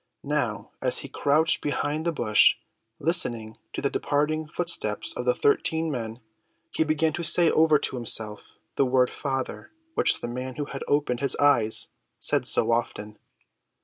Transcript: Now as he crouched behind the bush, listening to the departing footsteps of the thirteen men, he began to say over to himself the word "Father," which the man who had opened his eyes said so often.